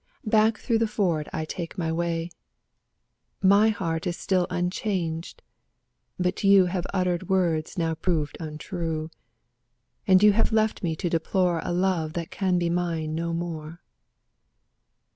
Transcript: Back through the ford I take my way. My heart is still unchanged, but you Have uttered words now proved untrue; And you have left me to deplore A love that can be mine no more.